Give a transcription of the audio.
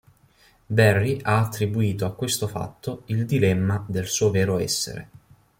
Barrie ha attribuito a questo fatto "il dilemma del suo vero essere".